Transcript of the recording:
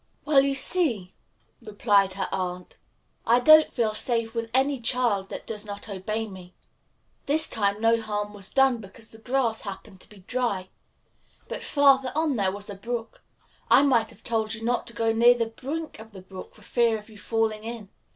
"Well, you see," replied her aunt, "I don't feel safe with any child that does not obey me. This time no harm was done, because the grass happened to be dry; but farther on there was a brook. I might have told you not to go near the brink of the brook for fear of your falling in.